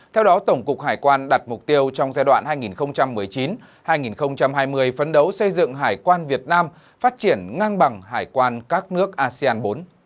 theo đó tổng cục hải quan đặt mục tiêu trong giai đoạn hai nghìn một mươi chín hai nghìn hai mươi phấn đấu xây dựng hải quan việt nam phát triển ngang bằng hải quan các nước asean bốn